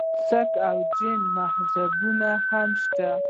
سک او جین مذهبونه هم شته.